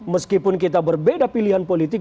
meskipun kita berbeda pilihan politik